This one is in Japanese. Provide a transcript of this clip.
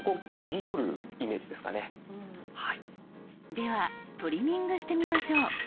ではトリミングしてみましょう。